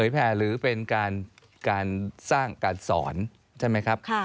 เป็นการสร้างการสอนใช่ไหมครับ